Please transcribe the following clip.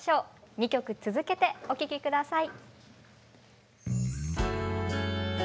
２曲続けてお聴き下さい。